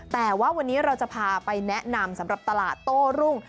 แต่ว่าวันนี้เราจะพาไปแนะนำสำหรับตลาดโต้รุ่ง